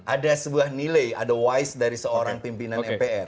ada sebuah nilai ada wise dari seorang pimpinan mpr